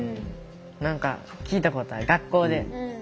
何か聞いたことある学校で。